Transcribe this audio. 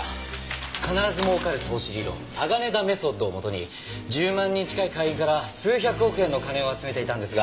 必ず儲かる投資理論サガネダ・メソッドをもとに１０万人近い会員から数百億円の金を集めていたんですが。